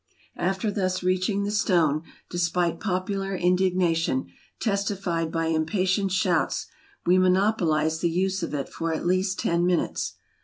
After thus reaching the stone, despite popular indignation, testified by impatient shouts, we monopolized the use of it for at least ten minutes.